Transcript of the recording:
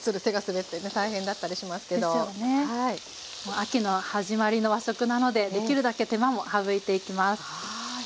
秋の始まりの和食なのでできるだけ手間も省いていきます。